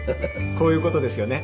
こういうことですよね？